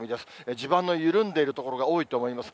地盤の緩んでいる所が多いと思います。